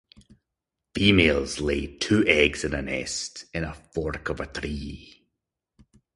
Females lay two eggs in a nest in a fork of a tree.